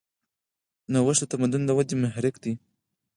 نوښت د تمدن د ودې محرک دی.